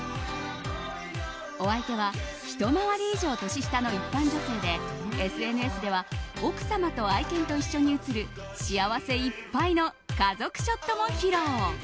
お相手はひと回り以上年下の一般女性でＳＮＳでは奥様と愛犬と一緒に写る幸せいっぱいの家族ショットも披露。